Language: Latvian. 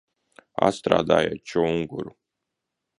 Atstrādājiet čunguru!